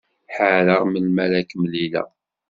Ḥareɣ melmi ara k-mlileɣ.